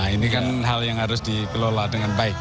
ini kan hal yang harus dikelola dengan baik